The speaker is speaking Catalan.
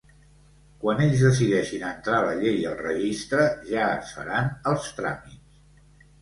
Quan ells decideixin entrar la llei al registre, ja es faran els tràmits.